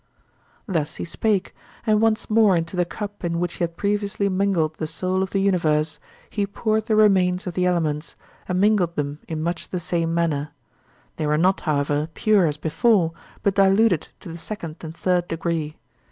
Thus he spake, and once more into the cup in which he had previously mingled the soul of the universe he poured the remains of the elements, and mingled them in much the same manner; they were not, however, pure as before, but diluted to the second and third degree.